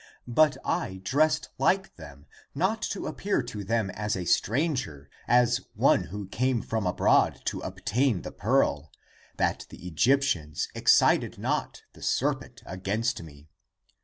But I dressed like them Not to appear to them as a stranger. As one who came from abroad To obtain the pearl That the Egyptians excited not the serpent against me.